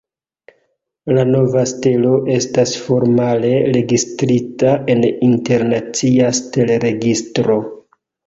La nova stelo estas formale registrita en internacia stelregistro.